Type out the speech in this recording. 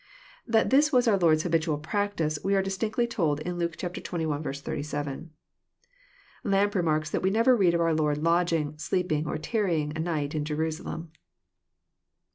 That this was our Lord's habitual practice, we are distinctly told in Luke xxi. 87. V S4 Lampe remarks that we never_j[ead of onr Lord lodging, Bleeping, or tarrying a night in Jerusalem.